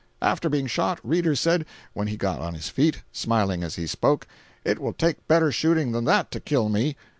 After being shot, Reeder said when he got on his feet—smiling as he spoke—"It will take better shooting than that to kill me."